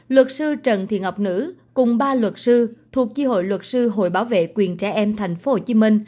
luật sư trần thị ngọc nữ cùng ba luật sư thuộc chi hội luật sư hội bảo vệ quyền trẻ em tp hcm